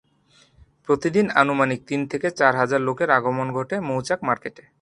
প্রতিদিন আনুমানিক তিন থেকে চার হাজার লোকের আগমন ঘটে মৌচাক মার্কেটে।